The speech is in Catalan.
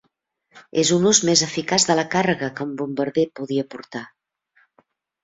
És un ús més eficaç de la càrrega que un bombarder podia portar.